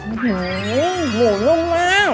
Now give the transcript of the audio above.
อื้อหือหมูนุ่มมาก